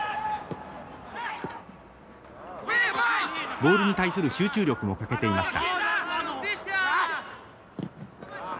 ボールに対する集中力も欠けていました。